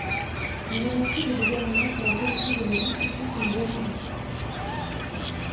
Je remercie le Gouvernement pour la qualité de la discussion que nous avons eue.